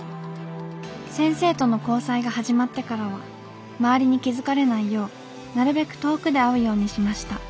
先生との交際がはじまってからは周りに気付かれないようなるべく遠くで会うようにしました。